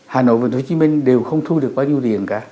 hà nội và hồ chí minh đều không thu được bao nhiêu tiền cả